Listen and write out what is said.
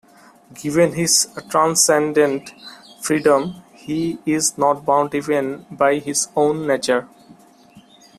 Given his transcendent freedom, he is not bound even by his own nature.